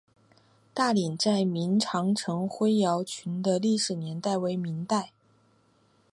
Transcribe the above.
大岭寨明长城灰窑群的历史年代为明代。